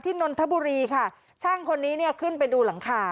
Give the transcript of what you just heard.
นนทบุรีค่ะช่างคนนี้เนี่ยขึ้นไปดูหลังคา